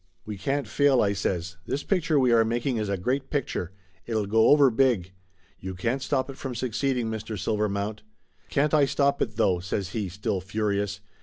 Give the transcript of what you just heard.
"We can't fail!" I says. "This picture we are mak ing is a great picture. It'll go over big. You can't stop it from succeeding, Mr. Silvermount !" "Can't I stop it, though!" says he, still furious.